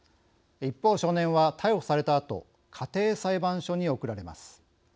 一方少年は逮捕されたあと家庭裁判所に送られます。